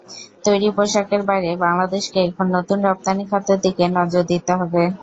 তৈরি পোশাকের বাইরে বাংলাদেশকে এখন নতুন রপ্তানি খাতের দিকে নজর দিতে হবে।